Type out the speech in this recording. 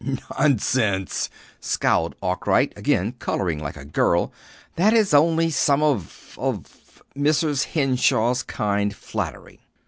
"Nonsense!" scowled Arkwright, again, coloring like a girl. "That is only some of of Mrs. Henshaw's kind flattery."